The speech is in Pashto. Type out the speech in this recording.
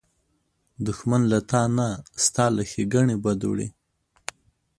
دښمن له تا نه، ستا له ښېګڼې نه بد وړي